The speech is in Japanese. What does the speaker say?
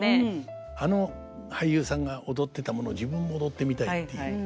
あの俳優さんが踊ってたものを自分も踊ってみたいっていう。